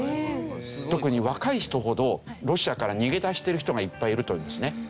特に若い人ほどロシアから逃げ出している人がいっぱいいるというんですね。